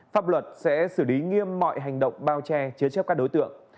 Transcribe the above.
pháp luật sẽ xử lý nghiêm mọi hành động bao che chế chấp các đối tượng